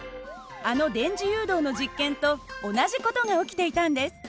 あの電磁誘導の実験と同じ事が起きていたんです。